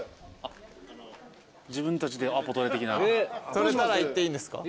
取れたら行っていいんですか？